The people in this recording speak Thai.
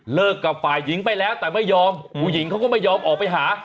กับฝ่ายหญิงไปแล้วแต่ไม่ยอมผู้หญิงเขาก็ไม่ยอมออกไปหา